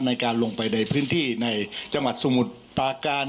ในการลงไปในพื้นที่ในจังหวัดสมุทรปาการ